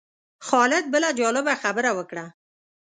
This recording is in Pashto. خالد بله جالبه خبره وکړه.